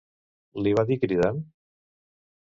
Li va dir cridant?